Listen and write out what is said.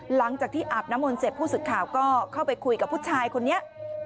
หลังจากที่อาบน้ำมนต์เสร็จผู้สึกข่าวก็เข้าไปคุยกับผู้ชายคนนี้